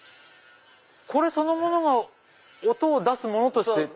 これそのものが音を出すものとして。